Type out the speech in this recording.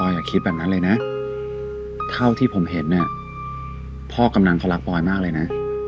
อย่าคิดแบบนั้นเลยนะเท่าที่ผมเห็นพ่อกำนันเขารักปอยมากเลยนะ